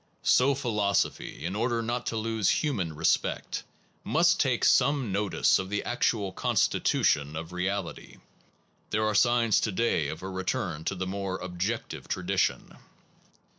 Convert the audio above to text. So philosophy, in order not to lose human respect, must take some notice of the actual constitution of reality. There are signs to day of a return to the more objective tradition.